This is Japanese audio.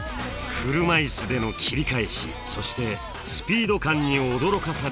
車いすでの切り返しそしてスピード感に驚かされる制作チーム。